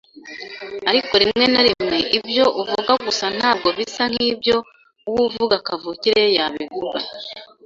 ariko rimwe na rimwe ibyo uvuga gusa ntabwo bisa nkibyo uwuvuga kavukire yabivuga.